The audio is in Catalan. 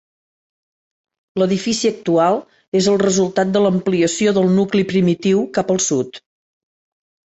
L'edifici actual és el resultat de l'ampliació del nucli primitiu cap al sud.